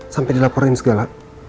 sampai dilaporin segala